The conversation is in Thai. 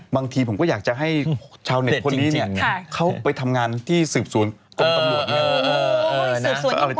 บางทีผมก็อยากจะให้ชาวเน็ตโพลีเข้าไปทำงานที่สืบศูนย์กรมตำรวจ